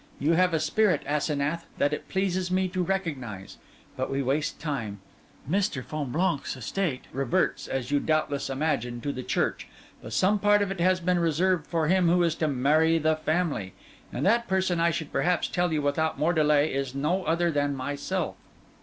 You have a spirit, Asenath, that it pleases me to recognise. But we waste time. Mr. Fonblanque's estate reverts, as you doubtless imagine, to the Church; but some part of it has been reserved for him who is to marry the family; and that person, I should perhaps tell you without more delay, is no other than myself.